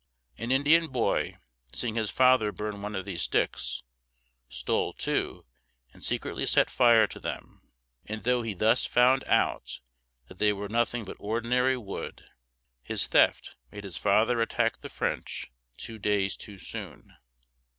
An Indian boy, seeing his father burn one of these sticks, stole two, and secretly set fire to them; and though he thus found out that they were nothing but ordinary wood, his theft made his father attack the French two days too soon.